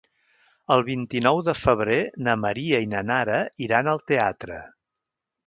El vint-i-nou de febrer na Maria i na Nara iran al teatre.